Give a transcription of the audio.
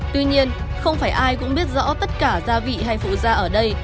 tuy nhiên không phải ai cũng biết rõ tất cả gia vị hay phụ da ở đây